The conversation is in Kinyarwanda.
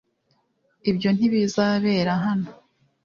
ibyo ntibizabera hano